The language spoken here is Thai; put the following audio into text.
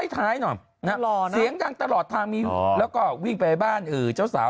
เสียงดังตลอดทางแล้วก็วิ่งไปบ้านเจ้าสาว